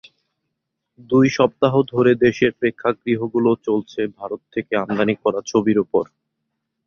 দুই সপ্তাহ ধরে দেশের প্রেক্ষাগৃহগুলো চলছে ভারত থেকে আমদানি করা ছবির ওপর।